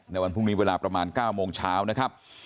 ในวันพรุ่งนี้เวลาประมาณ๙โมงเช้านะครับ